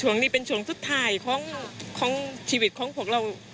ช่วงนี้เป็นช่วงสุดท้ายของชีวิตของพวกเรา